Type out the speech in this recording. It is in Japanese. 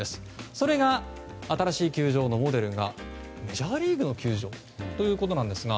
それが、新しい球場のモデルがメジャーリーグの球場ということなんですが。